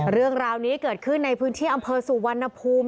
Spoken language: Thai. เรื่องราวนี้เกิดขึ้นในพื้นที่อำเภอสุวรรณภูมิ